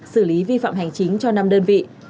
xử lý vi phạm hành chính cho năm đơn vị